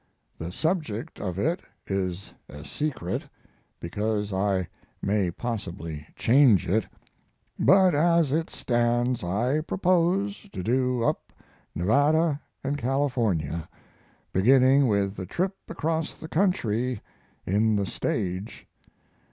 The subject of it is a secret, because I may possibly change it. But as it stands I propose to do up Nevada and California, beginning with the trip across the country in the stage.